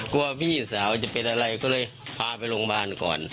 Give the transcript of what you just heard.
พี่สาวจะเป็นอะไรก็เลยพาไปโรงพยาบาลก่อน